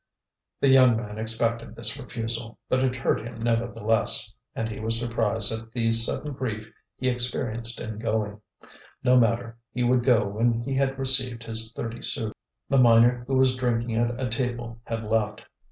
The young man expected this refusal; but it hurt him nevertheless, and he was surprised at the sudden grief he experienced in going. No matter; he would go when he had received his thirty sous. The miner who was drinking at a table had left.